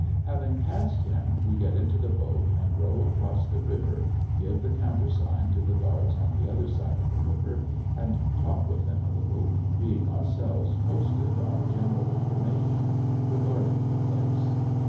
Having passed him, we get into the boat and row across the river, give the countersign to the guards on the other side of the river, and talk with them a little, being ourselves posted on general information regarding the place.